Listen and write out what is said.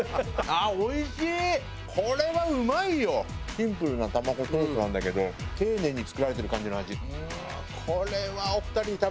シンプルな玉子トーストなんだけど丁寧に作られてる感じの味。